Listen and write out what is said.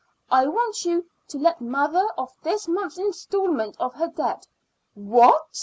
I want you to let mother off this month's installment of her debt." "What?"